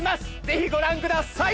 ぜひご覧ください！